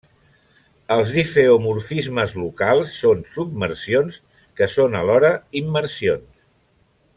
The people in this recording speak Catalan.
Els difeomorfismes locals són submersions que són alhora immersions.